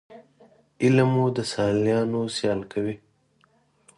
علم مو د سیالانو سیال کوي